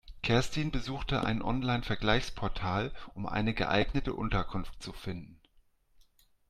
Kerstin besuchte ein Online-Vergleichsportal, um eine geeignete Unterkunft zu finden.